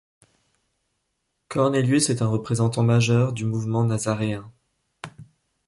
Cornelius est un représentant majeur du mouvement nazaréen.